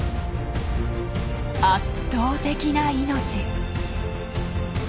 圧倒的な命。